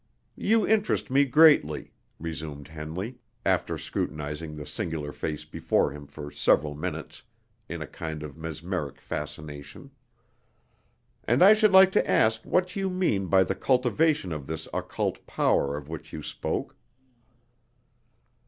"You interest me greatly," resumed Henley, after scrutinizing the singular face before him for several minutes, in a kind of mesmeric fascination, "and I should like to ask what you mean by the cultivation of this occult power of which you spoke?"